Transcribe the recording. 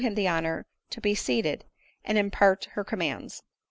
him the honor to be seated, and' imjiart her commands.